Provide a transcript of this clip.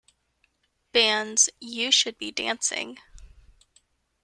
Band's "You Should Be Dancing".